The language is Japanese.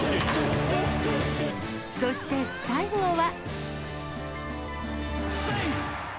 そして最後は。